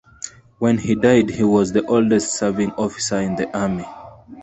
When he died he was the oldest serving officer in the army.